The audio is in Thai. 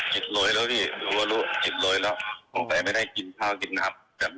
จิตร้อยแล้วพี่จิตร้อยแล้วแต่ไม่ได้กินข้าวกินนะครับ